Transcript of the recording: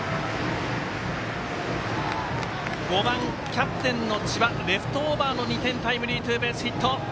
５番、キャプテンの千葉レフトオーバーの２点タイムリーヒット。